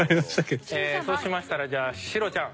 そうしましたらシロちゃん。